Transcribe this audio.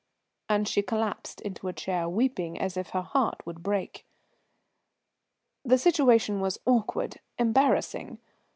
And she collapsed into a chair, weeping as if her heart would break. The situation was awkward, embarrassing.